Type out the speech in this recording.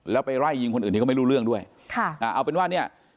แล้วไปไล่ยิงคนอื่นที่เขาไม่รู้เรื่องด้วยค่ะอ่าเอาเป็นว่าเนี่ย